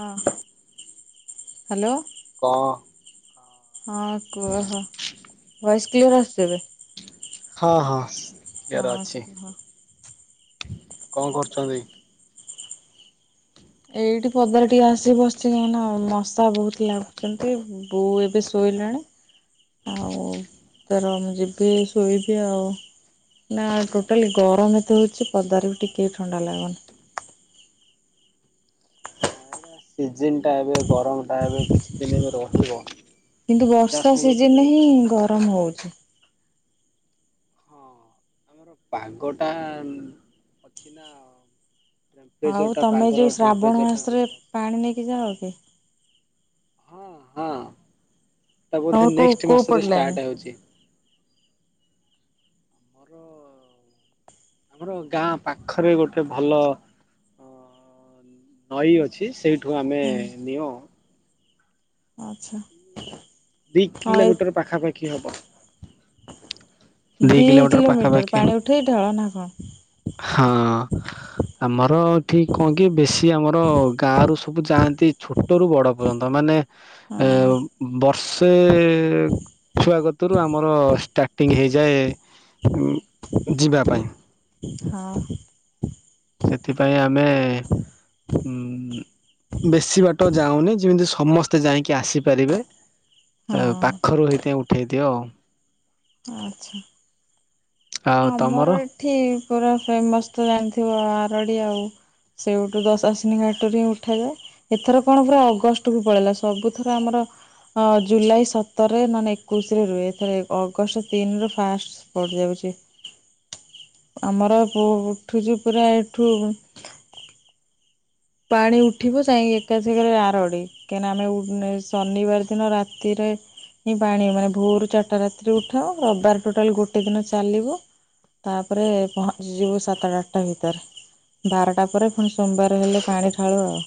ହଁ ହ୍ୟାଲୋ। ଓଁ ହଁ କୁହହୋ ଭଏସ କ୍ଲିଅର ଆସୁଛି ଏବେ। ହଁ ହଁ। କ୍ଲିୟର ହଠ ଅଛି କହ। [unintelligible] କଣ କରୁଛନ୍ତି। ଏଇଠି ପଦାର ଟିକେ ଆସି ବସି ଯାାଇନା ମଶା ବହୁତ ଲାଗୁଛନ୍ତି। ବୋଉ ଏବେ ଶୋଇଲାଣି। ଆଉ ତର ମୁ ଯିବି ଶୋଇବି ଆଉ। ନା ଆଉ ଟୋଟାଲି ଗରମ ଏତେ ହେଉଛି ପଦାର ବି ଟିକେ ଥଣ୍ଡା ଲାଗୁନି। ସିଜନ୍ଟା ଏବେ ଗରମଟା ଏବେ କିଛି ଦିନ ଏବେ ରହିବ। କିନ୍ତୁ ଯାହା ବର୍ଷା ଶୁଣୁଥିଲି ସିଜନରେ ହିଁ ଗରମ ହଉଛି। ହଁ ପାଗଟା ଅଛି ନା। ଏବେ ଯୋଟା ଆଉ ଟେମ୍ପଚର ଟା ତମେ ପାଗର ଯୋଉ ଶ୍ରାବଣ ଟେମ୍ପଚର ଟା ମାସରେ ଅଧିକ ଅଛି। ପାଣି ନେଇକି ଯା ଅ କି ହଁ ହଁ ତା ବୋଧେ ତମର କୋଉ ନେକ୍ସଟ୍ କୋଉ ପଟ ମାସରେ ଲାଇନ? ଷ୍ଟାର୍ଟ ହେଉଛି ଆମର ଆମର ଗାଁ ପାଖରେ ଗୋଟେ ଭଲ ନଈ ଅଛି ସେଇଠୁ ଆମେ ହଁ ନିଓ ଆଚ୍ଛା। ଦି ହଁ ଏ କିଲୋମିଟର ପାଖାପାଖି ହବ। ଦି କିଲୋମିଟର ପାଣି ଉଠେଇ ଢାଳ ନା କଣ? ହଁ। ଆମର ଠିକ୍ କଣ କି ବେଶୀ ଆମର ଗାଁ ରୁ ସବୁ ଯାଆନ୍ତି ଛୋଟ ରୁ ବଡ଼ ପର୍ଯ୍ୟନ୍ତ ମାନେ ଏ ହଁ ବର୍ଷେ ଛୁଆ କତରୁ ଆମର ଷ୍ଟାର୍ଟିଂ ହେଇଛି ଯାଏ ଉ ଯିବା ପାଇଁ। ହଁ। ସେଥିପାଇଁ ଆମେ ଉଁ ବେଶୀ ବାଟ ଯାଉନି ଯେମିତି ସମସ୍ତେ ଯାଇକି ଆସିପାରିବେ। ଏ ହଁ ପାଖରୁ ହେଇଥାଇଁ ଉଠେଇଦିଅ ଆଉ। ଆଚ୍ଛା। ଆଉ ତମର? ଆମର ଏଠି ପୁରା ଫେମସ୍ ତ ଜାଣିଥିବ ଆରଡ଼ି ଆଉ। ସେଉଠୁ ଦସାସିନି ଘାଟରୁ ହିଁ ଉଠାଯାଏ। ଏଥର କଣ ପୁରା ଅଗଷ୍ଟ କୁ ପଳେଇଲା। ସବୁଥର ଆମର ହଁ ଜୁଲାଇ ସତରରେ ନହେଲେ ଏକୋଇଶରେ ରୁହେ। ଏଥର ଅଗଷ୍ଟ ତିନି ରୁ ଫାଷ୍ଟ ସ୍ପଟ ଯାଉଛି। ଆମର ପୁ ଉଠୁଛି ପୁରା ଏଠୁ ପାଣି ଉଠିବ ଯାଇଁ ଏକା ଛେକରେ ଆରଡ଼ି। କାହିଁ ନା ଆମେ ଉ ଶନିବାର ଦିନ ରାତିରେ ପାଣି ମାନେ ଭୋରୁ ଚାରିଟା ରାତିରେ ଉଠାଉ। ରବିବାର ଟୋଟାଲ ଗୋଟେ ଦିନ ଚାଲିବ। ତାପରେ ପହଞ୍ଚିଯିବୁ ସାତଟା ଆଠଟା ଭିତରେ। ବାରଟା ପରେ ପୁଣି ସୋମବାର ହେଲେ ପାଣି ଢାଳୁ ଆଉ।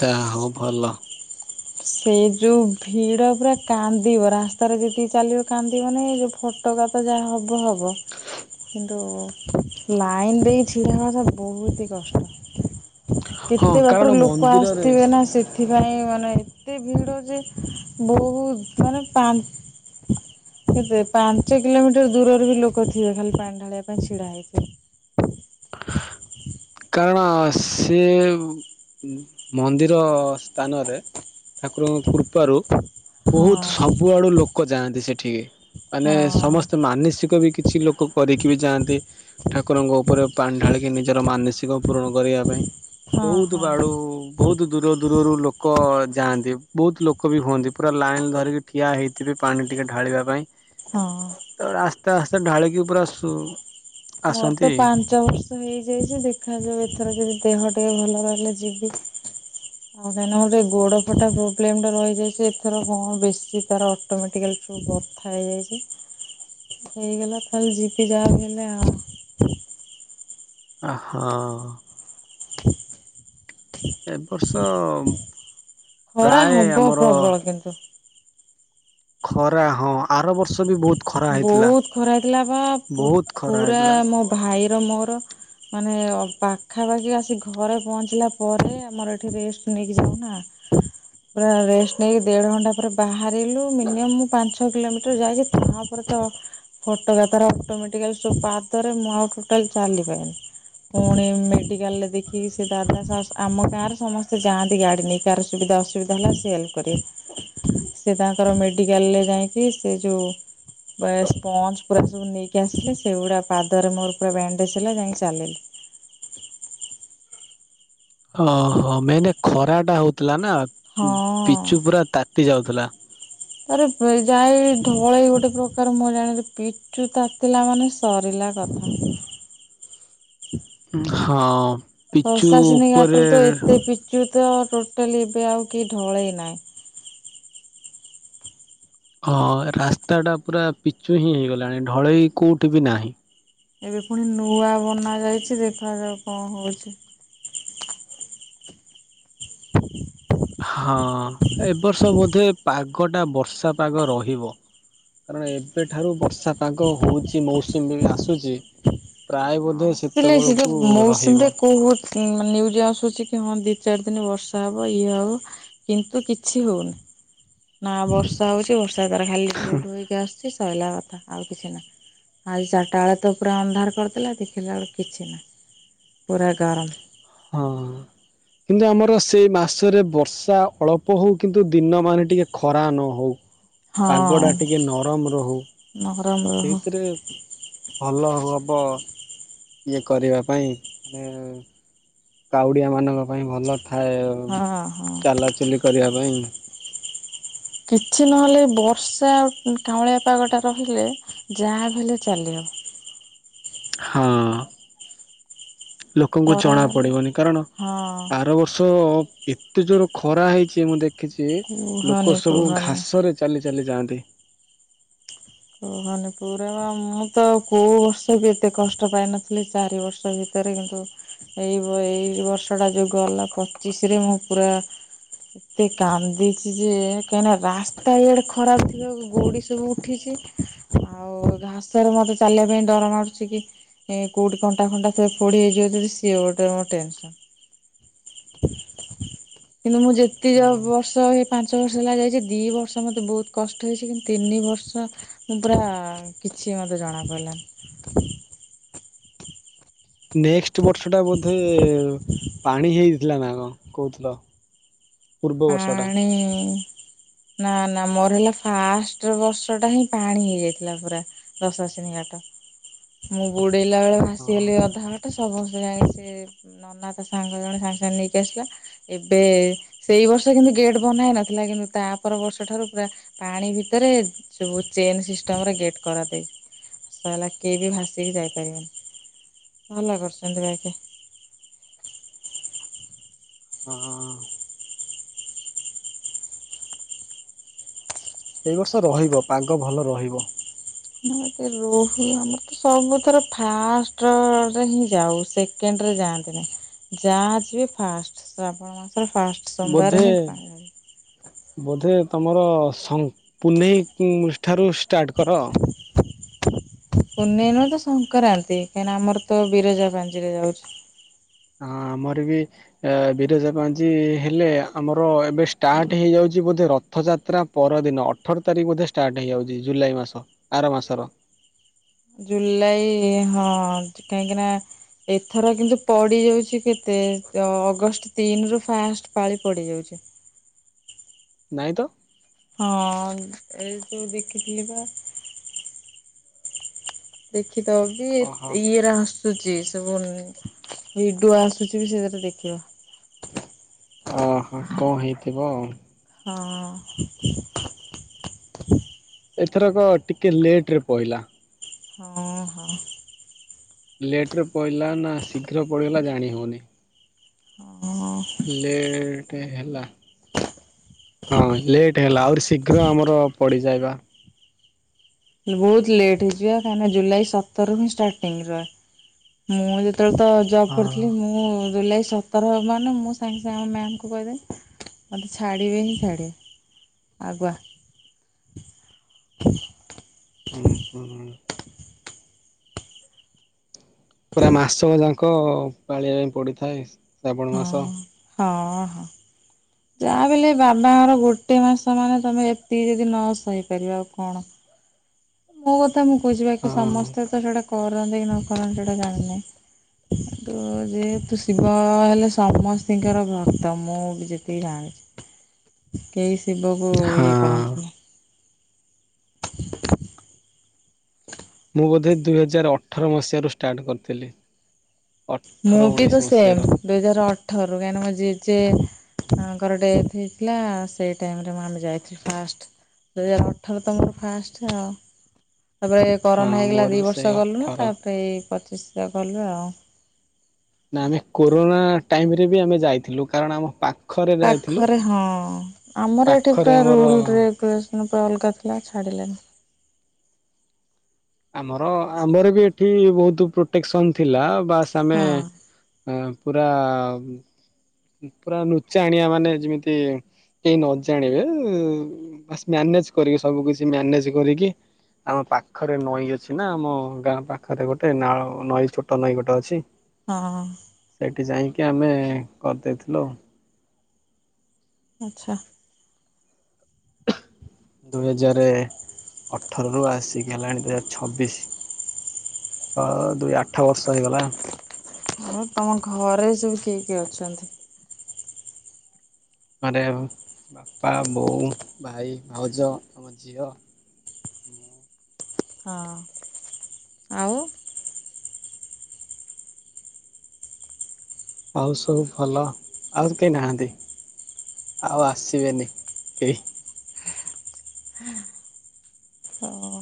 ଯା ହଉ ଭଲ। ସେ ଯୋଉ ଭିଡ଼ ପୁରା କାନ୍ଦିବ। ରାସ୍ତାରେ ଯେତିକି ଚାଲିବ କାନ୍ଦିବ ନାଇଁ ଏ ଯୋଉ ଫ ଫଟକା ତ ଯା ହବ ହବ କିନ୍ତୁ ଲାଇନ ଦେଇ ଛିଡ଼ା ହବା ଟା ବହୁତି କଷ୍ଟ। ହଁ କେତେ କାରଣ ବାଟରୁ ଲୋକ ମନ୍ଦିରରେ ଆସିଥିବେ ନା ସେଥିପାଇଁ ମାନେ ଏତେ ଭିଡ଼ ଯେ ବହୁତ ମାନେ ପା କେତେ ପାଞ୍ଚ କିଲୋମିଟର ଦୂରରେ ବି ଲୋକ ଥିବେ ଖାଲି ପାଣି ଢାଳିବା ପାଇଁ ଛିଡ଼ା ହେଇଥିବେ। କାରଣ ସେ ମନ୍ଦିର ସ୍ଥାନରେ ଠାକୁରଙ୍କ କୃପାରୁ ବହୁତ ହଁ ସବୁଆଡ଼ୁ ଲୋକ ଯାଆନ୍ତି ସେଠିକି ମାନେ ହଁ ସମସ୍ ତ ମାନସିକ ବି କିଛି ଲୋକ କରିକି ବି ଯାଆନ୍ତି। ଠାକୁରଙ୍କ ଉପରେ ପାଣି ଢାଳିକି ନିଜର ମାନସି ସିକ ପୂରଣ କରିବା ପାଇଁ। ହଁ ବହୁତ ହଁ ବାଡ଼ୁଉ ବହୁତ ଦୂର ଦୂରରୁ ଲୋକ ଯାଆନ୍ତି। ବହୁତ ଲୋକ ବି ହୁଅନ୍ତି। ପୁରା ଲାଇନ ଧରିକି ଠିଆ ହେଇଥିବେ ପାଣି ଟିକେ ଢାଳିବା ପାଇଁ। ହଁ। ଆସ୍ତେ ଆସ୍ତେ ଢାଳି କି ପୁରା ସୁ ମୋର ତ ଆସନ୍ତି। ପାଆନ୍ତି ପାଞ୍ଚ ବର୍ଷ ହେଇଯାଇଛି ଦେଖା ଯାଉ ଏଥର ଯଦି ଦେହ ଟିକେ ଭଲ ରହିଲେ ଯିବି। ଆଉ କାହିଁକି ଗୋଡ଼ ଫଟା ପ୍ରୋବ୍ଲେମ ଟା ରହିଯାଇଛି ଏଥର କଣ ବେଶୀ ତାର ଅଟୋମେଟିକାଲିଠୁ ବଥା ହେଇଯାଇଛି ହେଇଗଲା ତାହେଲେ ଯିପି ଯାହା ହେଲେ ଆଉ। [unintelligible] ଅ ହଁ। ଏ ବର୍ଷ ପ୍ରାୟ ଆମର କିନ୍ତନ୍ତୁ ଖରା ହଁ ଆର ବର୍ଷ ବି ବହୁତ ଖରା ହେଇଥିଲା ବହୁତ ଖରା ହେଇଥିଲା ବା ବହୁତ ଖରା ପୁରା ହେଇଥିଲା। ମୋ ଭାଇର ମୋର। ମାନେ ପାଖାପାଖି ଆସି ଘରେ ପହଞ୍ଚିଲା ପରେ ଆମର ଏଠି ରେଷ୍ଟ ନେଇକି ଯାଉ ନା ହଁ। ପୁରା ରେଷ୍ଟ ନେଇକି ଦେଢ଼ ଘଣ୍ଟା ପରେ ବାହାରିଲୁ ମିନିମମ୍ ମୁଁ ପାଞ୍ଚ ଛଅ କିଲୋମିଟର ଯାଇକି ପ ତା ତ ଫଟା ତର ଅଟୋମଟିକାରେ ମୁଁ ଆଉ ଟୋଟାଲ ଚାଲିପନି ପୁଣି ମେଡିକାଲ ରେ ଦେଖିକି ସେ ଦାଦା ଆମ ଗାଁରେ ସମସ୍ତେ ଯାଆନ୍ତି ଗାଡି ନେଇ କା ସୁବିଧା ଅସୁବିଧ ହେଲା ସ ସେଏଲ୍ କରିବାରେ ସେ ତାଙ୍କର ମେଡିକାଲ ରେ ଯାଇକି ସେ ଯୋଉ ସ୍ପଜ ପୁରା ସବୁ ନେଇକି ଆସିଲେ ସେଗୁଡା ପାଦରେ ମୋର ପୁରା ବଣ୍ଡେଜ ହେଲା ଯାଇକି ଚାଲିଲେ। ଓହୋ ମେନ ଖରା ଟା ହଉଥିଲା ନା ପିଚୁ ହଁ। ପୁରା ତାତି ଯାଉଥିଲା। ଆରେ ଯାଇ ଧଳେଇ ଗୋଟେ ପ୍ରକାର ମୁଁ ଜାଣଛି ଚୁ ତାତିଲା ମାନେ ସରିଲା କଥା। ହଁ। ପିଚୁ ଶତାସିିନୀ ଘାଟ ର ଉପରେ ତ ଏତେ ପିଚୁ ତ ଟୋଟାଲି ଏବେ ଆଉ କି ଢଳେଇ ନାହିଁ। ହଁ ରାସ୍ତାଟା ପୁରା ପିଚୁ ହିଁ ହେଇଗଲାଣି ଢଳେଇ କେଉଁଠି ବି ନାହିଁ। ଏବେ ପୁଣି ନୂଆ ବନା ଯାଇଛି ଦେଖାଯାଉ କଣ ହଉଛି? [unintelligible] ହଁ ଏବ ବର୍ଷ ବୋଧେ ପାଗଟା ବର୍ଷା ପାଗ ରହିବ। କାରଣ ଏବେଠାରୁ ବର୍ଷା ପାଗ ହଉଛି ମୌସୁମୀ ବି ଆସୁଛି ପ୍ରାୟ ବ ଆସିଲେ ସେ ଯୋଉ ମୌସୁମୀରେ କୋଉ ମାନେ ନିଉ ଆସୁଛି କି ହଁ ଦି ଚାରି ଦିନ ବର୍ଷା ହବ ଇଏ ହବ କିନ୍ତୁ କିଛି ହଉନି ନା ବର୍ଷା ହଉଛି ବର୍ଷା ଦାରା ଖାଲି ଢୋ ଢୋ ହେଇକି ଆସୁଛି। ଶୋଇଲାା କଥା ଆଉ କିଛି ନାହିଁ ଆଜି ଚାରିଟା ବେଳେ ତ ପୁରା ଅନ୍ଧାର କରିଦଥିଲା କି ଖିଲାବେଳୁ କିଛି ନା ପୁରା ଗରମ ହଁ। କିନ୍ତୁ ଆମର ସେଇ ମାସରେ ବର୍ଷା ଅଳ୍ପ ହେଉ କିନ୍ତୁ ଦିନମାନେ ଟିକେ ଖରା ନ ହଉ। ପାଗ ଟା ହଁ। ଟିକେ ନରମ ରହୁ। ନରମ ରହୁ ସେଇଥିରେ ଭଲ ହେବ ଇଏ କରିବା ପାଇଁ ମାନେ କାଉଡିଆ ମାନଙ୍କ ପାଇଁ ଭଲ ଥାଏ ହଁ ହଁ। ଚାଲାଚୁଲି କରିବା ପାଇଁ କିଛି ନହେଲେ ବର୍ଷା ଆଉ କାଉଁଳିଆ ପାଗଟା ରହିଲେ ଯାହା ହେଲେ ଚାଲିହବ। ହଁ। ଲୋକଙ୍କୁ ଖରା ଜଣାପଡ଼ିବନି କାରଣ ହଁ ଆର ବର୍ଷ ଏ ଏତେ ଜୋର ଖରା ହେଇଛି ମୁଁ ଦେଖିଛି ଲୋକ କୁହନି ସବୁ କୁହନି। ଘାସରେ ଚାଲି ଚାଲି ଯାଆନ୍ତି। ନିପୁରରେ ବା ମୁଁ ତ କୋଉ ବର୍ଷ ବି ଏତେ କଷ୍ଟ ପାଇନଥିଲି ଚାରି ବର୍ଷ ବି ଭତରେ କିନ୍ତୁ ଏଇ ଏଇ ବର୍ଷଟା ଯଉ ଗଲା ପଚିଶରେ ମୁଁ ପୁରା ଏତେ କାନ୍ଦିଛି ଯେ କାହିଁକିନା ରାସ୍ତା ଇଆଡେ ଖରାପ ଥିବ ଗୋଡି ସବୁ ଉଠିଛି। ଆଉ ଘାସରେ ମତେ ଚାଲିବା ପାଇଁ ଡର ମାରୁୁଛି କି? ଏଇ କୋଉଠି କଣ୍ଟା ଫଣ୍ଟା ଥିବ ଫୋଡି ହେଇଯିବ ସିଏ ଗୋଟେ ମୋ ଟେନସନ। କିନ୍ତୁ ମୁଁ ଯେତିକ ବର୍ଷ ହେଇ ପାଞ୍ଚ ବର୍ଷ ହେଲା ଯାଇଛି ଦି ବର୍ଷ ମତେ ବହୁତ କଷ୍ଟ ହେଇଛି। କିନ୍ତୁ ତିନି ବର୍ଷ ମୁଁ ପୁରା କିଛି ମୋତେ ଜଣାପଡ଼ିଲାନି। ନେକ୍ସଟ ବର୍ଷ ଟା ବୋଧେ ପାଣି ହେଇଥିଲା ନା କଣ କହୁଥିଲ? ପୂର୍ବ ବର୍ଷଟା। ପାଣି ନା ନା ମୋର ହେଲା ଫାଷ୍ଟ ବର୍ଷ ଟା ହିଁ ପାଣି ହେଇଯାଇଥିଲା ପୁରା। [unintelligible] ମୁଁ ବୁଡେଇଲା ବେଳେ ହଁ ଭାସିଗଲି ଅଧା ତ ସବୁ ବର୍ଷ ଯାଇକି ସେ ନନା ତା ସାଙ୍ଗ ଜଣେ ସାଙ୍ଗେ ସାଙ୍ଗେ ନେଇକି ଆସିଲା ଏବେ ସେଇ ବର୍ଷ କିନ୍ତୁ ଗେଟ୍ ବନା ହେଇ ନଥିଲା କିନ୍ତୁ ତା ପର ବର୍ଷ ଠାରୁ ପୁରା ପାଣି ଭିତରେ ସବୁ ଚେନ ସିଷ୍ଟମରେ ଗେଟ୍ କରାଦେଇଛି ସ ହେଲା କେହିବି ଭାସିକି ଯାଇପାରିବେନି ଭଲ କରୁଛନ୍ତି ଭାଇକେ ହଁ, ହଁ, ହଁ। ଏ ବର୍ଷ ରହିବ ପାଗ ଭଲ ରହିବ। ମ ରୋହି ଆମର ତ ସବୁଥର ଫାଷ୍ଟରେ ହିଁ ଯାଉ ସେ ସେକେଣ୍ଡରେ ଯାଆନ୍ତିନି ଯାହା ଅଛିବି ଫାଷ୍ଟ ଶ୍ରାବଣ ମାସରେ ଫାଷ୍ଟ ସୋମବାର ବୋଧେ ହିଁ ବୋଧେ ତମର ସଙ୍ଗ ପୁନେଇ ଠାରୁ ଷ୍ଟାର୍ଟ କର ପୁନେଇ ନୁହଁ ତ ସଂକ୍ରାନ୍ତି କାହିଁକି ଆମର ତ ବିରଜା ପାାଞ୍ଜି ରେ ଯାଉଛି। ହଁ, ଆମର ବି ଏ ବିରଜା ପାଞ୍ଜି ହେଲେ ଆମର ଏବେ ଷ୍ଟାର୍ଟ ହେଇଯାଉଛି ବୋଧେ ରଥଯାତ୍ରା ପରଦିନ ଅଠର ତାରିଖ ବୋଧେ ଷ୍ଟାର୍ଟ ହେଇଯାଉଛି ଜୁଲାଇ ମାସ ଆର ମାସର। ଜୁଲାଇ ହଁ କାହିଁକି ନା ଏଥର କିନ୍ତୁ ପଡିଯାଉଛି କେତେ ଅଗଷ୍ଟ ତିନି ରୁ ଫାଷ୍ଟ ପାଳି ପଡିଯାଉଛି। ନାଇଁ ତ। ହଁ ଏ ସବୁ ଦେଖିଥିଲି ପା। ଦେଖି ତ ବି ଓହୋ ଇଏ ରସ ସୁଚି ସବୁ ଭିଡିଓ ଆସୁଛି ବି ସେଥିରେ ଦେଖିବ। ଅହ, କଣ ହେଇଥିବ ଆଉ। ହଁ। ଏଥରକ ଟିକେ ଲେଟ ରେ ପଇଲା। ଅହଁ। ଲେଟରେ ପଇଲା ନା ଶୀଘ୍ର ପଡ଼ିଗଲା ଜାଣି ହେଉନି। ହଁ। ଲେଟେ ହେଲା। ହଁ ଲେଟ୍ ହେଲା ଆହୁରି ଶୀଘ୍ର ଆମର ପଡିଯାଏ ବା। ହେଲେ ବହୁତ ଲେଟ୍ ହେଇଛିବା କାହିଁକିନା ଜୁଲାଇ ସତରରୁ ହିଁ ଷ୍ଟାର୍ଟିଂ ରହେ। ମୁଁ ଯେତେବେଳେ ତ ଜବ୍ ହଁ। କରିଥିଲି ମୁଁ ଜୁଲାଇ ସ ସତର ମାନେ ମୁଁ ସାଙ୍ଗେ ସାଙ୍ଗେ ମ୍ୟାମ କୁ କହିଦେଲି ମୋତେ ଛାଡ଼ିବେ ହିଁ ଛାଡ଼ିବେ। ଆଗୁଆ। ହୁଁ, ହୁଁଁ। ପୁରା ମାସକ ଯାକ ପାଳିବା ପାଇଁ ପଡିଥାଏ। ଶ୍ରାବଣ ମାସ। ହଁ, ହଁ, ହଁ। ଯାହା ବି ହେଲେ ବାବାଙ୍କର ଗୋଟେ ମାସ ମାନେ ତମେ ଏତିକି ଯଦି ନ ସହିପାରିବ ଆଉ କଣ। ମୋ କଥା ମୁଁ କହିଛି ବାକି ହଁ ସମସ୍ତେ ତ ସେଇଟା କରନ୍ତି କି ନ କରନ୍ତି ସେଇଟା ଜାଣିନି। ଆଗୁରୁ ଯେହେତୁ ଶିବ ହେଲେ ସମସ୍ତିଙ୍କର ଭକ୍ତ ମୁଁ ବି ଯେତିକି ଜାଣଛି। କେହି ଶିବକୁ ଇଏ ହଁ କରନ୍ତିନି। ମୁଁ ବୋଧେ ଦୁଇହଜାର ଅଠର ମସିହାରୁ ଷ୍ଟାଟ କରିଥିଲି। ମୁଁ ଅଠର ବି ତ ଉଣେଇଶି ମସିହାର ସେମ୍ ଦୁଇ ହଜାର ଅଠରରୁ କାହିଁକି ନା ମୋ ଜେଜେ ତାଙ୍କର ଡେଥ୍ ହେଇଥିଲା ସେଇ ଟାଇମରେ ମୁଁ ଆମେ ଯାଇଥିଲୁ ଫାଷ୍ଟ। ଦୁଇ ହଜାର ଅଠର ତମର ଫାଷ୍ଟ ଆଉ ତାପରେ ହଁ କରୋନା ହେଇଗଲା ମୋର ଦି ବି ସେଇ ବର୍ଷ ଗଲୁନୁ ଅଠର ତାପରେ ଏଇ ପଚିଶିରେ ଗଲୁ ଆଉ। ନା ଆମେ କୋରୋନା ଟାଇମରେ ବି ଆମେ ଯାଇଥିଲୁ କାରଣ ଆମ ପା ପାଖରେ ହଁ ଆମର ଏଠି ପାଖରେ ପୁରା ଆମର ରୁଲ୍ ରେଗୁଲସନ୍ ପୁରା ଅଲଗା ଥିଲା ଛାଡ଼ିଲେନି। ଆମର ଆମର ବି ଏଠି ବହୁତୁ ପ୍ରୋଟେକ୍ସନ୍ ଥିଲା ବାସ୍ ଆମେ ହଁ ଉ ପୁରା ପୁରା ନୁଚାଣିଆ ମାନେ ଯିମିତି କେହି ନଜାଣିବେ ବାସ୍ ମ୍ୟାନେଜ୍ କରିକି ସବୁ କିଛି ମ୍ୟାନେଜ୍ କରିକି ଆମ ପାଖ ରେ ନଈ ଅଛି ନା ଆମ ଗାଁ ପାଖରେ ଗୋଟେ ନାଳ ନଈ ଛୋଟ ନଈ ଗୋଟେ ଅଛି। ହଁ। ସେଇଠି ଯାଇକି ଆମେ କର୍ ଦେଇଥିଲୁ। ଆଚ୍ଛା। ଦୁଇ ହଜାରେ ଅଠରରୁ ଆସିକି ହେଲାଣି ଦୁଇ ହ ଛବିଶି। ଛଅ ଦୁଇ ଆଠ ବର୍ଷ ହେଇଗଲା। ମୁଁ ତମ ଘରେ ସବୁ କିଏ କିଏ ଅଛନ୍ତି? ଘରେ ବାପା ବୋଉ ଭାଇ ଭାଉଜ ଆମ ଝିଅ। ହଁ ଆଉ? ଆଉ ସବୁ ଭଲ ଆଉ ତ କେହି ନାହାନ୍ତି। ଆଉ ଆସିବେନି କେହି। ଆଉ